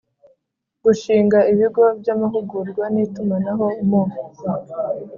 Gushinga ibigo by amahugurwa n itumanaho mu